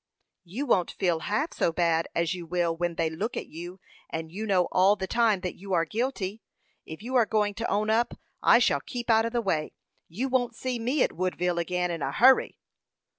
"You won't feel half so bad as you will when they look at you, and know all the time that you are guilty. If you are going to own up, I shall keep out of the way. You won't see me at Woodville again in a hurry."